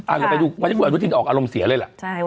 อ่าเดี๋ยวไปดูวันที่ออกอารมณ์เสียเลยล่ะ